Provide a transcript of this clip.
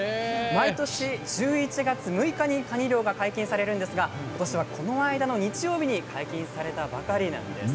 毎年、１１月６日にカニ漁が解禁されるんですが今年はこの間の日曜日に解禁されたばかりなんです。